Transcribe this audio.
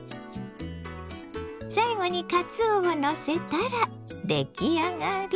最後にかつおをのせたら出来上がり。